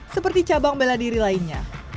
seperti cabang bela diri lainnya